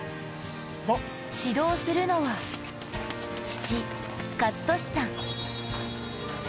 指導するのは、父・健智さん。